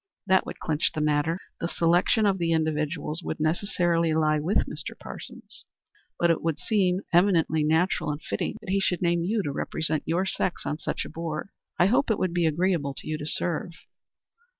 That would clinch the matter. The selection of the individuals would necessarily lie with Mr. Parsons, but it would seem eminently natural and fitting that he should name you to represent your sex on such a board. I hope it would be agreeable to you to serve?"